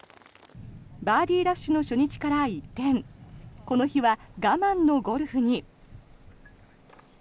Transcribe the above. バーディーラッシュの初日から一転この日は我慢のゴルフに。